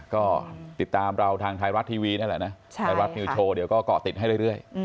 ก็ติดตามเราทางไทยรัฐทีวีนั่นแหละนะไทยรัฐนิวโชว์เดี๋ยวก็เกาะติดให้เรื่อย